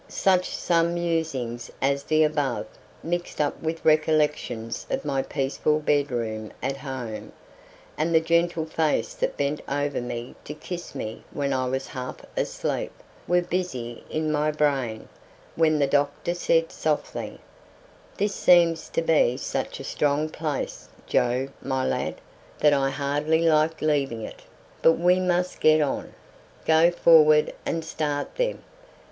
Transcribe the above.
Some such musings as the above, mixed up with recollections of my peaceful bed room at home, and the gentle face that bent over me to kiss me when I was half asleep, were busy in my brain, when the doctor said softly: "This seems to be such a strong place, Joe, my lad, that I hardly like leaving it; but we must get on. Go forward and start them.